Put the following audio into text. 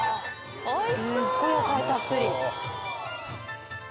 すごい野菜たっぷり。